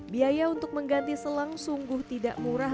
biaya untuk mengganti selang sungguh tidak murah